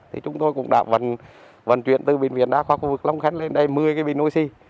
thì chúng tôi cũng đã vận chuyển từ bệnh viện đa khoa khu vực long khánh lên đây một mươi cái bình oxy